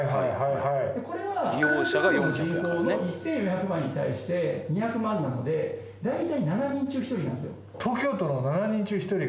これは東京都の人口の１４００万人に対して２００万なので大体７人中１人なんですよ。